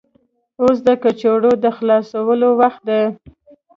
اوس د کڅوړو د خلاصولو وخت دی.